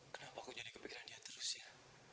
kenapa aku jadi kepikiran dia terus ya